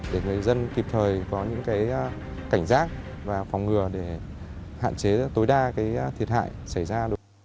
để người dân kịp thời có những cảnh giác và phòng ngừa để hạn chế tối đa thiệt hại xảy ra